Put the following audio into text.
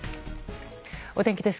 お天気です。